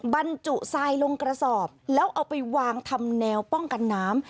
บรรจุทรายลงกระสอบแล้วเอาไปวางทำแนวป้องกันน้ำ